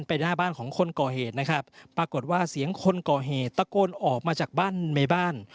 หน้าบ้านของคนก่อเหตุนะครับปรากฏว่าเสียงคนก่อเหตุตะโกนออกมาจากบ้านในบ้าน